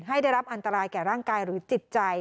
ให้ได้รับอันตรายแก่ร่างกายหรือจิตใจ